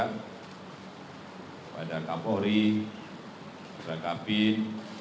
kepada kapolri kepada kabin